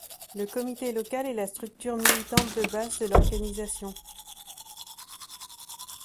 Le comité local est la structure militante de base de l'organisation.